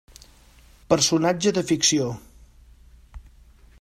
Personatge de ficció.